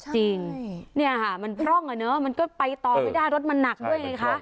จริงเนี่ยค่ะมันพร่องอ่ะเนอะมันก็ไปต่อไม่ได้รถมันหนักด้วยไงคะ